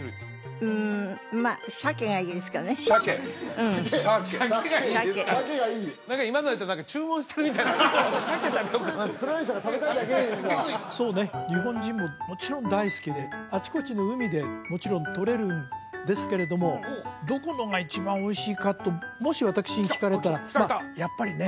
うんまあ鮭がいいですかね鮭鮭鮭がいいですか何か今のやったら「鮭食べようかな」って黒柳さんが食べたいだけそうね日本人ももちろん大好きであちこちの海でもちろんとれるんですけれどもどこのが一番おいしいかともし私に聞かれたらまあやっぱりね